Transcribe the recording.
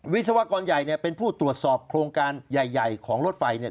วิศวกรใหญ่เนี่ยเป็นผู้ตรวจสอบโครงการใหญ่ของรถไฟเนี่ย